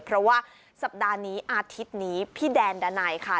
เพราะว่าสัปดาห์นี้อาทิตย์นี้พี่แดนดานัยค่ะ